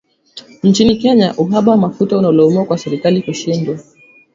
Nchini Kenya uhaba wa mafuta unalaumiwa kwa serikali kushindwa